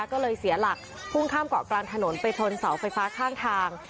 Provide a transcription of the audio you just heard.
ก็เลยเสียหลักพุ่งข้ามเกาะกลางถนนไปชนเสาไฟฟ้าข้างทาง